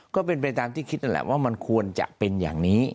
ก็เป็นไปตามที่คิดนั่นแหละว่ามันควรจะเป็นอย่างนี้